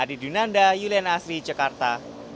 adi dunanda yulian asri cekarta